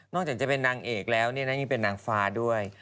จากจะเป็นนางเอกแล้วยังเป็นนางฟ้าด้วย